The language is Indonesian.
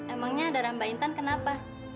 emangnya darah mbak intan kenapa